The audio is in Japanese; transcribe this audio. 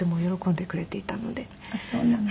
あっそうなの。